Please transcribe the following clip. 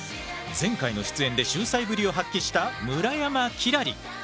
前回の出演で秀才ぶりを発揮した村山輝星。